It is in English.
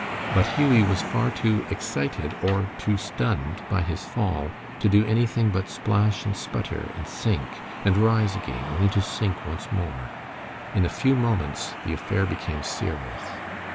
But Hughie was far too excited or too stunned by his fall to do anything but splash and sputter, and sink, and rise again, only to sink once more. In a few moments the affair became serious.